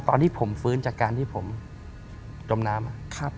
ตอนที่ผมฟื้นจากการที่ผมจมน้ำ